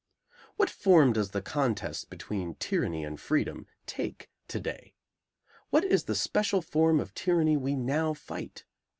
What form does the contest between tyranny and freedom take to day? What is the special form of tyranny we now fight?